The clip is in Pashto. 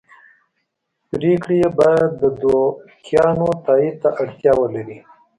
پرېکړې یې باید د دوکیانو تایید ته اړتیا ولري